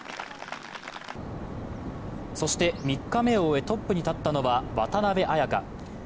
そして３日目を終えトップに立ったのは渡邉彩香。